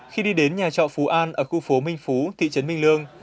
khi đi đến nhà trọ phú an ở khu phố minh phú thị trấn minh lương